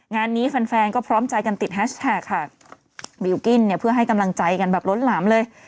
งานนี้แฟนแฟนก็พร้อมใจกันติดแฮชแท็กค่ะบิลกิ้นเนี่ยเพื่อให้กำลังใจกันแบบล้นหลามเลย